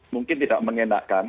mungkin tidak mengenakan